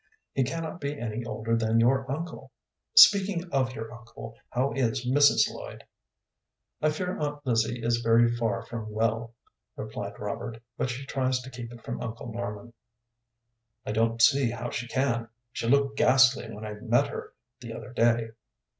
He cannot be any older than your uncle. Speaking of your uncle, how is Mrs. Lloyd?" "I fear Aunt Lizzie is very far from well," replied Robert, "but she tries to keep it from Uncle Norman." "I don't see how she can. She looked ghastly when I met her the other day."